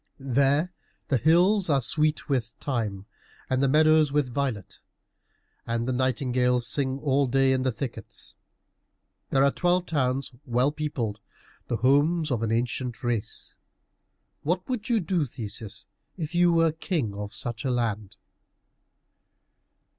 There the hills are sweet with thyme, and the meadows with violet, and the nightingales sing all day in the thickets. There are twelve towns well peopled, the homes of an ancient race. What would you do, Theseus, if you were king of such a land?"